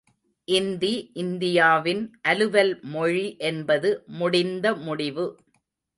இந்தி, இந்தியாவின் அலுவல்மொழி என்பது முடிந்த முடிவு.